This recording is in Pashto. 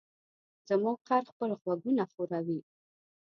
زموږ خر خپل غوږونه ښوروي.